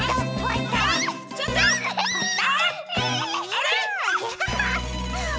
あれ？